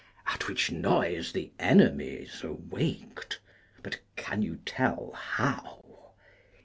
At which noise the enemies awaked, but can you tell how?